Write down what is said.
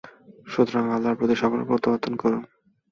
সুতরাং আল্লাহর প্রতি সকলে প্রত্যাবর্তন করুন!